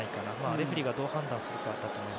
レフェリーがどう判断するか。